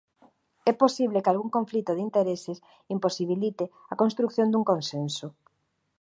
É posible que algún conflito de intereses imposibilite a construción dun consenso.